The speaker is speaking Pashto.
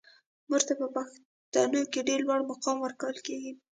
مور ته په پښتنو کې ډیر لوړ مقام ورکول کیږي.